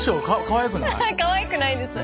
かわいくないです。